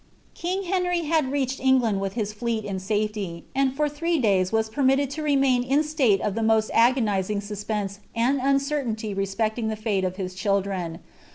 Kii^ H«iuy had reached England with his fleet in safety, and for three 4m WW penniited to remain in a stale of the most agonizing suspense tsal nsmrteinty respecting the fate of his children.